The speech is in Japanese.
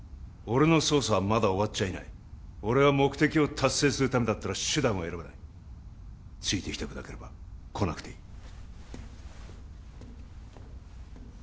俺の捜査はまだ終わっちゃいない俺は目的を達成するためだったら手段を選ばないついてきたくなければ来なくていい